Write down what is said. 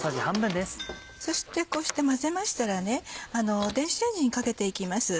そしてこうして混ぜましたら電子レンジにかけて行きます。